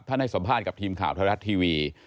ให้สัมภาษณ์กับทีมข่าวไทยรัฐทีวี